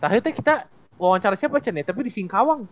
ternyata kita wawancara siapa ce tapi di singkawang